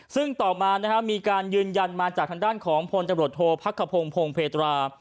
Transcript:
ซึ่งต่อมานะฮะมีการยืนยันมาจากทางด้านของพจับรถโธพพเภตรา